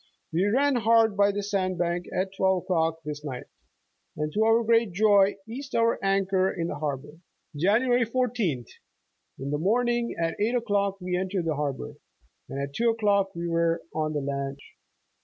We ran hard by a sand bank at twelve o'clock this night, and to our great joy, cast our anchor in the harbor." "Jan. 14th. In the morning at eight o'clock we en tered the harbor, and at two o'clock we were on the land in America."